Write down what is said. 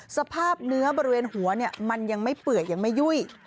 สภาพเนื้อบริเวณหัวมันยังไม่เปื่อยยังไม่ยุ่ย